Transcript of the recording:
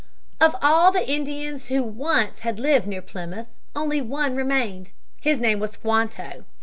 Of all the Indians who once had lived near Plymouth only one remained. His name was Squanto.